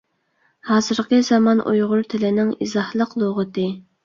ھازىرقى زامان ئۇيغۇر تىلىنىڭ ئىزاھلىق لۇغىتى